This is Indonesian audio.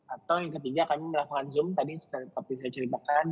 atau yang ketiga kami melakukan zoom tadi seperti saya ceritakan